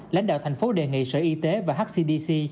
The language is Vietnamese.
lãnh đạo thành phố đề nghị sở y tế và hcdc